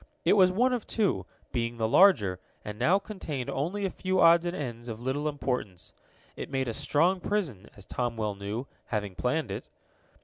It was one of two, being the larger, and now contained only a few odds and ends of little importance. It made a strong prison, as Tom well knew, having planned it.